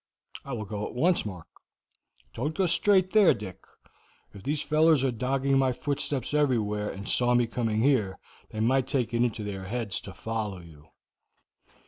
"I will go at once, Mark." "Don't go straight there, Dick; if these fellows are dogging my footsteps everywhere, and saw me coming here, they might take it into their heads to follow you."